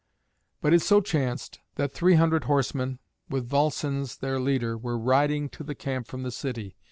But it so chanced that three hundred horsemen, with Volscens their leader, were riding to the camp from the city.